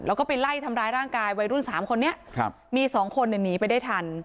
แล้วก็ไปไล่ทำร้ายร่างกายวัยรุ่น๓คนนี้มีสองคนหนีไปได้ทัน